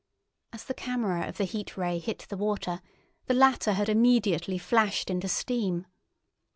As the camera of the Heat Ray hit the water, the latter had immediately flashed into steam.